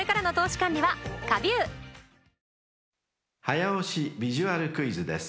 ［早押しビジュアルクイズです。